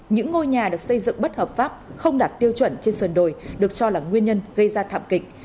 những ngôi nhà được xây dựng bất hợp pháp không đạt tiêu chuẩn trên sườn đồi được cho là nguyên nhân gây ra thảm kịch